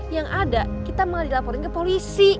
yang ada kita malah dilaporin ke polisi